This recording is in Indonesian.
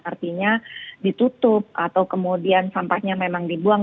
artinya ditutup atau kemudian sampahnya memang dibuang